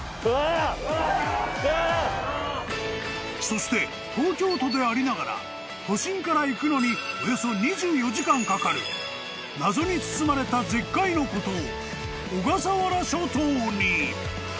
［そして東京都でありながら都心から行くのにおよそ２４時間かかる謎に包まれた絶海の孤島］